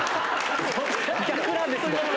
逆なんですね。